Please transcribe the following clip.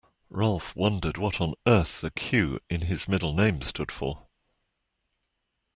Ralph wondered what on earth the Q in his middle name stood for.